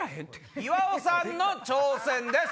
岩尾さんの挑戦です。